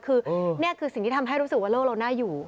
คือนี่คือสิ่งที่ทำให้รู้สึกว่าโลกเราน่าอยู่